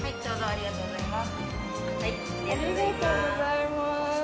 ありがとうございます。